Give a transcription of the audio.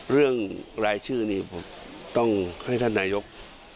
เรื่องรายชื่อนี้ผมต้องให้ท่านนายก